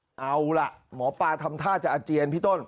น้ำในบ้านก็ปกติดีแต่สักพักเอาล่ะหมอปลาทำท่าจะอาเจียนพี่ต้น